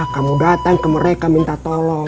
kamu datang ke mereka minta tolong